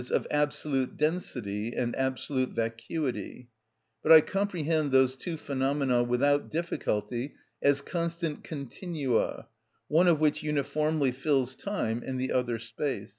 _, of absolute density and absolute vacuity; but I comprehend those two phenomena without difficulty as constant continua, one of which uniformly fills time and the other space.